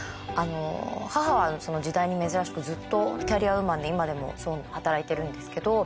母はその時代に珍しくずっとキャリアウーマンで今でも働いてるんですけど。